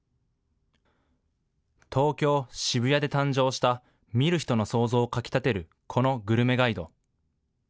東京・渋谷で誕生した見る人の想像をかきたてるこのグルメガイド。